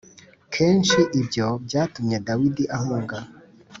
Kenshi Ibyo Byatumye Dawidi Ahunga